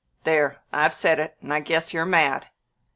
There! I've said it, and I guess you're mad!"